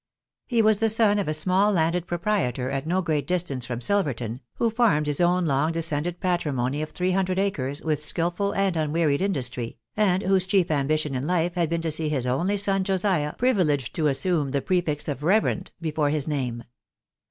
He was the son of a small landed proprietor at no great distance from Silverton, who farmed his own long descended patrimony of three hundred acres with skilful and unwearied industry, and whose chief ambition in life had been to see his only son Josiah privileged to assume the prefix of reverend before his name.